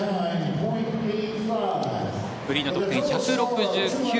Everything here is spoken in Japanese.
フリーの得点、１６９．８５。